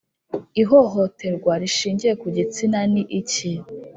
Ihohoterwa rishingiye ku gitsina ni iki?